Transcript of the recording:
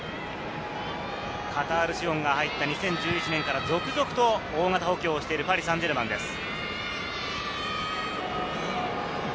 カタール資本が入った２０１１年から続々と大型補強をしているパリ・サンジェルマンです。